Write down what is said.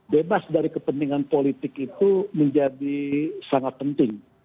bebas dari kepentingan politik itu menjadi sangat penting